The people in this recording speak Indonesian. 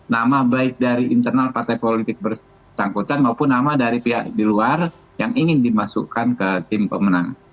nama baik dari internal partai politik bersangkutan maupun nama dari pihak di luar yang ingin dimasukkan ke tim pemenang